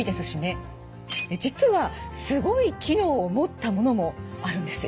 実はすごい機能を持ったものもあるんですよ。